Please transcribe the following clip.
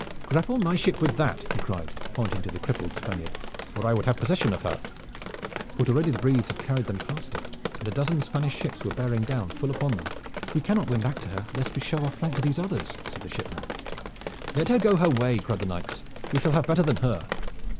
"Grapple my ship with that," he cried, pointing to the crippled Spaniard, "for I would have possession of her!" But already the breeze had carried them past it, and a dozen Spanish ships were bearing down full upon them. "We cannot win back to her, lest we show our flank to these others," said the shipman. "Let her go her way!" cried the knights. "You shall have better than her."